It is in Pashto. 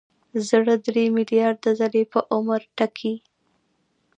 زړه درې ملیارده ځلې په عمر ټکي.